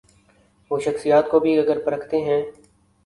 وہ شخصیات کو بھی اگر پرکھتے ہیں۔